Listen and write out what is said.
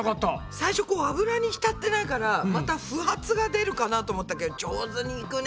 最初油にひたってないからまた不発が出るかなと思ったけど上手にいくね。ね。